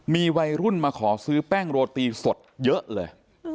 มีวัยรุ่นมาขอซื้อแป้งโรตีสดเยอะเลย